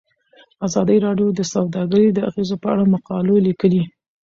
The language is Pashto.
ازادي راډیو د سوداګري د اغیزو په اړه مقالو لیکلي.